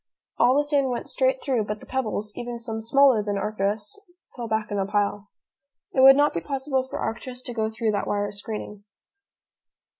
All the sand went straight through, but the pebbles, even some smaller than Arcturus, fell back in a pile. It would not be possible for Arcturus to go through that wire screening.